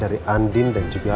tapi kamu sedang bersenyum ke ini